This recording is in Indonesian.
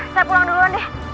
saya pulang duluan deh